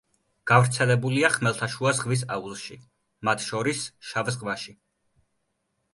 გავრცელებულია ხმელთაშუა ზღვის აუზში, მათ შორის შავ ზღვაში.